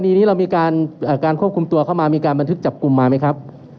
นี้เรามีการควบคุมตัวเข้ามามีการบันทึกจับกลุ่มมาไหมครับ